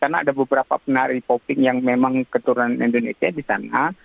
karena ada beberapa penari popping yang memang keturunan indonesia di sana